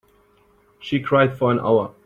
She cried for an hour.